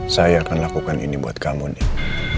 saya akan lakukan ini buat kamu nih